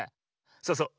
そうそう。